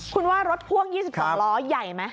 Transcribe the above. คุณว่ารถพ่วง๒๒ล้อใหญ่ไหม